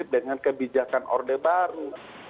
dengan kebijakan orde baru